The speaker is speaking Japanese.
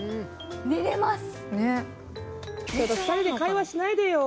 寝れます。